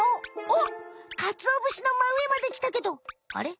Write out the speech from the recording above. おっかつおぶしのまうえまできたけどあれ？